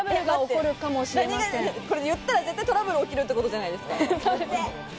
言ったら絶対トラブル起きるってことじゃないですか。